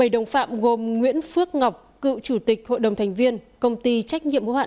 bảy đồng phạm gồm nguyễn phước ngọc cựu chủ tịch hội đồng thành viên công ty trách nhiệm hữu hạn